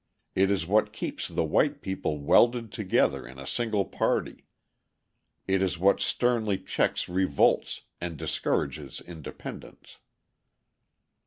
It is what keeps the white people welded together in a single party; it is what sternly checks revolts and discourages independence.